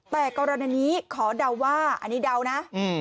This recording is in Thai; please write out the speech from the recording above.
แต่กรณีนี้ขอเดาว่าอันนี้เดานะ